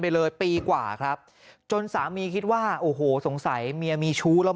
ไปเลยปีกว่าครับจนสามีคิดว่าโอ้โหสงสัยเมียมีชู้แล้ว